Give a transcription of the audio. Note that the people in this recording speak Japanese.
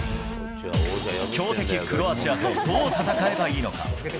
強敵、クロアチアとどう戦えばいいのか。